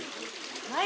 はい。